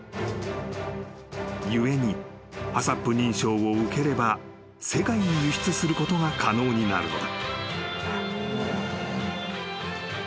［故にＨＡＣＣＰ認証を受ければ世界に輸出することが可能になるのだ］